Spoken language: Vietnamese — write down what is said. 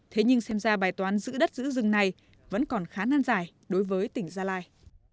thế nhưng xem ra bài toán giữ đất giữ rừng này vẫn còn khá nan dài đối với tỉnh gia lai